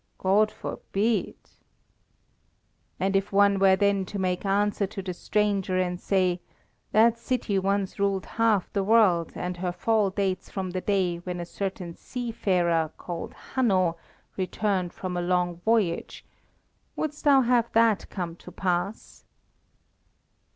'" "God forbid." "And if one were then to make answer to the stranger, and say: 'That city once ruled half the world, and her fall dates from the day when a certain seafarer, called Hanno, returned from a long voyage,' wouldst thou have that come to pass?"